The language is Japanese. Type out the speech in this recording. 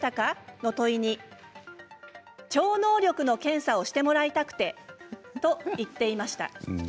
の問いに超能力の検査をしてもらいたくてと言っていました。